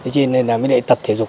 thế nên là mới đậy tập thể dục